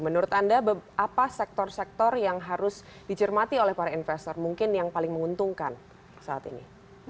menurut anda apa sektor sektor yang harus dicermati oleh para investor mungkin yang paling menguntungkan saat ini